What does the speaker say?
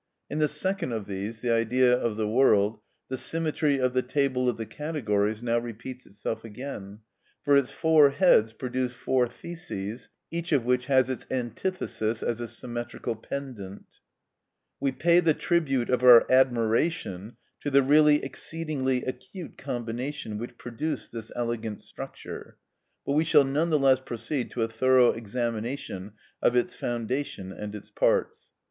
In the second of these, the Idea of the world, the symmetry of the table of the categories now repeats itself again, for its four heads produce four theses, each of which has its antithesis as a symmetrical pendant. We pay the tribute of our admiration to the really exceedingly acute combination which produced this elegant structure, but we shall none the less proceed to a thorough examination of its foundation and its parts.